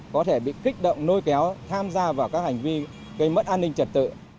có thể bị kích động nôi kéo tham gia vào các hành vi gây mất an ninh trật tự